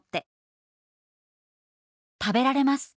「食べられます